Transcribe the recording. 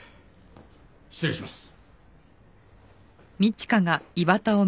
失礼します。